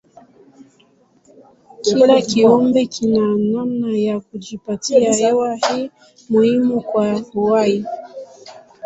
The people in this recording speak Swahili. Kila kiumbe kina namna ya kujipatia hewa hii muhimu kwa uhai.